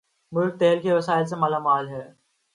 ملک تیل کے وسائل سے مالا مال ہے